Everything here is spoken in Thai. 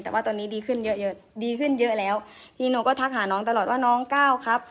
แต่ว่าตอนนี้ดีขึ้นเยอะเยอะดีขึ้นเยอะแล้วทีนี้หนูก็ทักหาน้องตลอดว่าน้องก้าวครับ